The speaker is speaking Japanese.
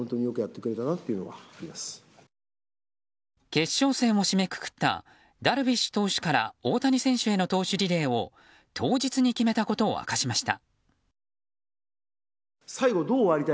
決勝戦を締めくくったダルビッシュ投手から大谷選手への投手リレーを当日に決めたことを明かしました。